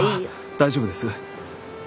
大丈夫です。